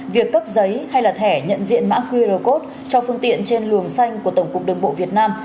việc cấp giấy hay là thẻ nhận diện mã qr code cho phương tiện trên luồng xanh của tổng cục đường bộ việt nam